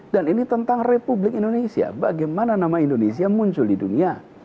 dan ini tentang republik indonesia bagaimana nama indonesia muncul di dunia